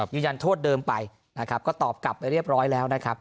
ยืนยันโทษเดิมไปก็ตอบกลับไปเรียบร้อยแล้ว